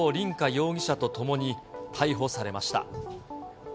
容疑者とともに、逮捕されました。